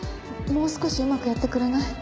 もう少しうまくやってくれない？